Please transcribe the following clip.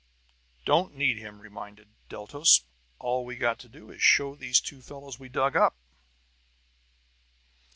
"Don't need him," reminded Deltos. "All we've got to do is to show these two fellows we dug up."